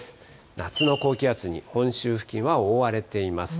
夏の高気圧に本州付近は覆われています。